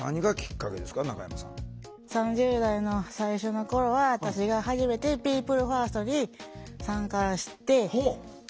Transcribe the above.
３０代の最初の頃は私が初めてピープルファーストに参加してそこでデート